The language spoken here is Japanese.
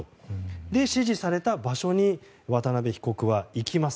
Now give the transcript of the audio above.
そして指示された場所に渡邉被告は行きます。